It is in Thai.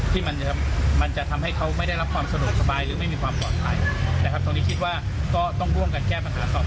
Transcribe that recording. เพราะไม่ให้มันเกิดปัญหาประเด็นพวกคุณคิดมาอีกครับ